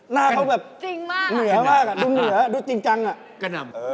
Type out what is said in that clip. หน้าเค้าเหนือมากดูเหนือดูจริงจัง